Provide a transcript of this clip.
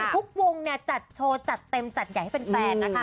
ทุกวงจัดโชว์เต็มให้เป็นแฟน